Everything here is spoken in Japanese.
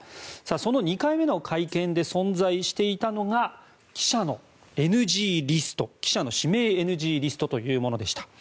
その２回目の会見で存在していたのが記者の指名ＮＧリストというものでした。